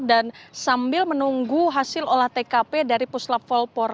dan sambil menunggu hasil olah tkp dari puslap empat